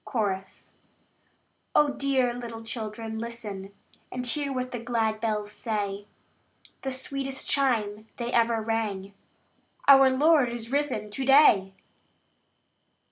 Chorus. Oh, dear little children, listen, And hear what the glad bells say! The sweetest chime they ever rang "Our Lord is risen to day!"